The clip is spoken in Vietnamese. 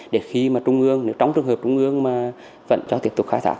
để khi mà trung ương trong trường hợp trung ương vẫn cho tiếp tục khai thác